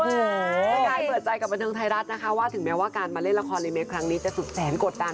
แม่กายเปิดใจกับบันเทิงไทยรัฐนะคะว่าถึงแม้ว่าการมาเล่นละครรีเมคครั้งนี้จะสุดแสนกดดัน